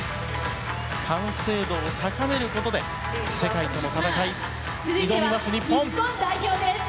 完成度を高めることで世界との戦いに挑みます、日本。